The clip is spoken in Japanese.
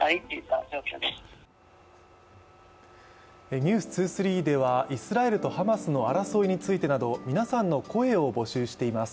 「ｎｅｗｓ２３」ではイスラエルとハマスの争いについてなど皆さんの声を募集しています。